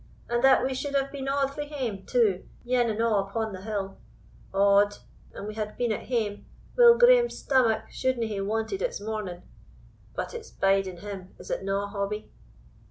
And that we should have been a' frae hame, too, ane and a' upon the hill Odd, an we had been at hame, Will Graeme's stamach shouldna hae wanted its morning; but it's biding him, is it na, Hobbie?"